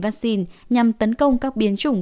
vaccine nhằm tấn công các biến chủng